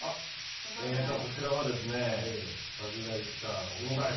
こちらはですね。